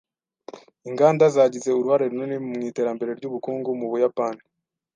Inganda zagize uruhare runini mu iterambere ry’ubukungu mu Buyapani.